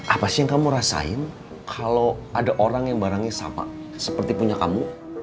apa sih yang kamu rasain kalau ada orang yang barangnya sama seperti punya kamu